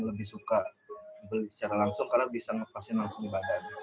lebih suka beli secara langsung karena bisa ngepasin langsung di badan